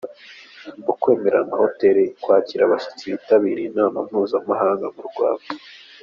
mu kwemerera amahoteli kwakira abashyitsi. bitabira inama mpuzamahanga mu Rwanda.